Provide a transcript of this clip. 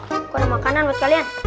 aku ada makanan buat kalian